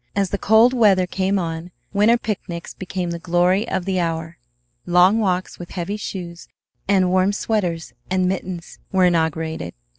As the cold weather came on, winter picnics became the glory of the hour. Long walks with heavy shoes and warm sweaters and mittens were inaugurated.